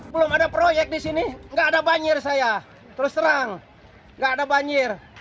belum ada proyek di sini nggak ada banjir saya terus terang nggak ada banjir